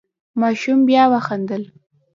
ماشوم بیا وخندل.